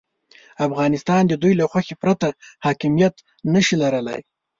افغانستان د دوی له خوښې پرته حاکمیت نه شي لرلای.